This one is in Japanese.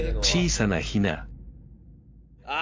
あ